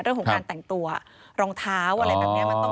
เรื่องของการแต่งตัวรองเท้าอะไรแบบนี้